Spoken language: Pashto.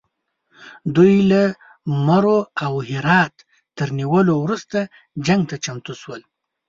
دوی له مرو او هرات تر نیولو وروسته جنګ ته چمتو شول.